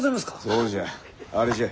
そうじゃあれじゃ。